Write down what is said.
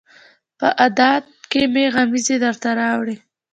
په ادا کې مې غمزې درته راوړي